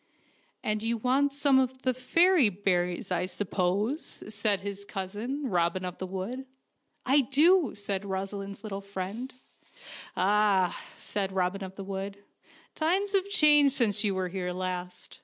And you want some of the fairy berries, I suppose," said his cousin, Robin of the Wood. "I do," said Rosaleen's little friend. "Ah," said Robin of the Wood, 'Mimes have changed since you were here last.